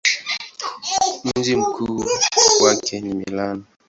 Mji mkuu wake ni Milano.